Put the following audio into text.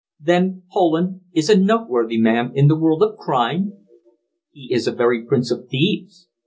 "Then Poland is a noteworthy man in the world of crime?" "He is a very prince of thieves.